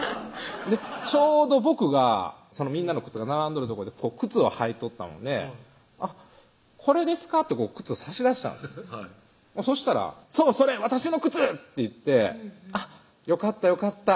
ちょうど僕がみんなの靴が並んどるとこでこう靴を履いとったので「これですか？」って靴を差し出したんですそしたら「そう！それ私の靴！」って言ってよかったよかった